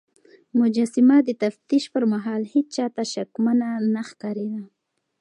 مجسمه د تفتيش پر مهال هيڅ چا ته شکمنه نه ښکارېده.